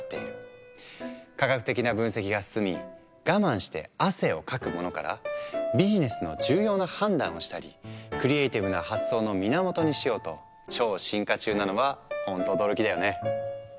科学的な分析が進み我慢して汗をかくものからビジネスの重要な判断をしたりクリエーティブな発想の源にしようと超進化中なのはホント驚きだよね。